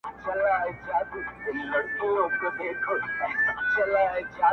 خو چي دواړي هیلۍ سوې هواته پورته -